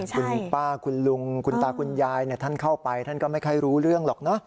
คุณป้าคุณลุงคุณตาคุณยายท่านเข้าไปท่านก็ไม่ค่อยรู้เรื่องหรอกเนอะ